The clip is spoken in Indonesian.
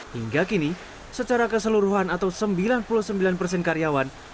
hingga kini secara keseluruhan atau sembilan puluh sembilan persen karyawan